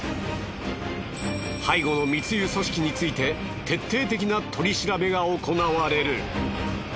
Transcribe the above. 背後の密輸組織について徹底的な取り調べが行われる。